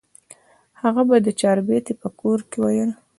هغه به د چاربیتې په کور کې ویل.